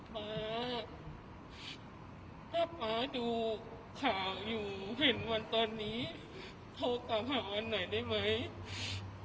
ป๊าถ้าป๊าดูข่าวอยู่เห็นวันตอนนี้โทรตามหาวันไหนได้ไหม